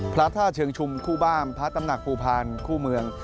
พระธาตุเชิงชุมคู่บ้านพระตำหนักภูพาลคู่เมือง